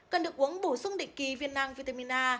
cần được uống bổ sung định kỳ viên nang vitamin a